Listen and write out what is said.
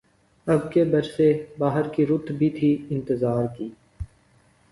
اب کے برس بہار کی‘ رُت بھی تھی اِنتظار کی